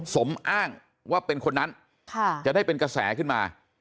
สมอ้างว่าเป็นคนนั้นจะได้เป็นกระแสขึ้นมา